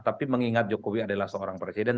tapi mengingat jokowi adalah seorang presiden